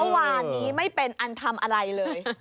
เมื่อวานนี้ไม่เป็นอันทำอะไรเลย